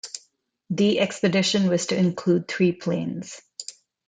The expedition was to include three planes.